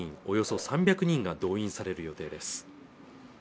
およそ３００人が動員される予定です